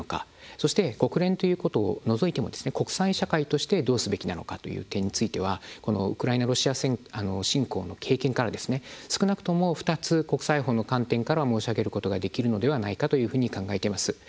そして国連ということを除いても国際社会としてどうすべきなのかという点については、ウクライナロシア侵攻の経験から経験から、少なくとも２つ国際法の観点から申し上げることができるのではないかというふうに考えています。